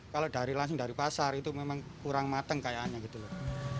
kalau langsung dari pasar itu memang kurang matang kayaknya gitu loh